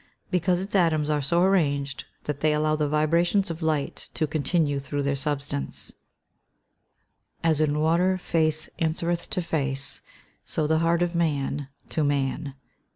_ Because its atoms are so arranged that they allow the vibrations of light to continue through their substance. [Verse: "As in water face answereth to face, so the heart of man to man."